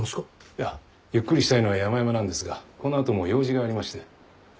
いやゆっくりしたいのはやまやまなんですがこの後も用事がありまして。